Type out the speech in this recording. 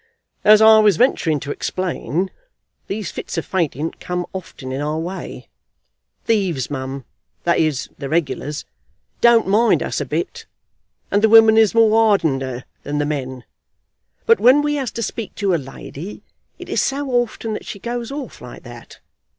"As I was a venturing to explain, these fits of fainting come often in our way. Thieves, mum, that is, the regulars, don't mind us a bit, and the women is more hardeneder than the men; but when we has to speak to a lady, it is so often that she goes off like that!